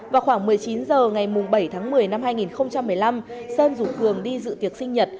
vào khoảng một mươi chín h ngày bảy tháng một mươi năm hai nghìn một mươi năm sơn rủ cường đi dự tiệc sinh nhật